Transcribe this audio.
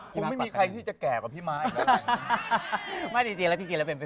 คุณไม่มีใครที่จะแก่กว่าพี่ม้าไอ้ทุกบัน